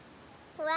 うわ！